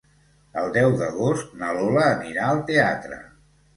El deu d'agost na Lola anirà al teatre.